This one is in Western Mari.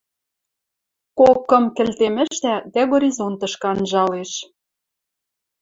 Кок-кым кӹлтем ӹштӓ дӓ горизонтышкы анжалеш: